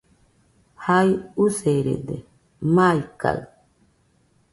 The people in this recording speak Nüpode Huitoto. Jai userede, maikaɨ